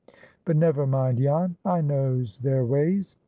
But never mind, Jan. I knows their ways.